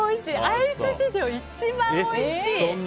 アイス史上一番おいしい。